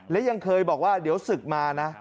และยังเคยบอกว่าเดี๋ยวศึกมานะ